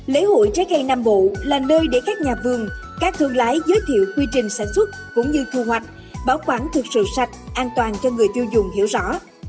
lễ hội trái cây nam bộ là nơi để các nhà vườn các thương lái giới thiệu quy trình sản xuất cũng như thu hoạch bảo quản thực sự sạch an toàn cho người tiêu dùng hiểu rõ